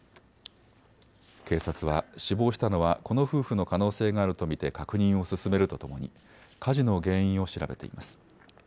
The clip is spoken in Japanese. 警察は死亡したのはこの夫婦の可能性があると見て確認を進めるとともに火事の原因を調べています。